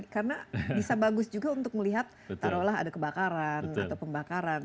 karena bisa bagus juga untuk melihat taruhlah ada kebakaran atau pembakaran